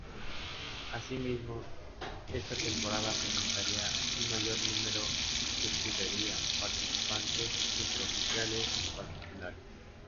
Asimismo, esta temporada presentaría un mayor número de escudería participantes, entre oficiales y particulares.